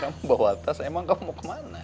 kamu bawa tas emang kamu mau kemana